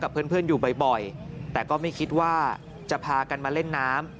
เพื่อนอยู่บ่อยแต่ก็ไม่คิดว่าจะพากันมาเล่นน้ำ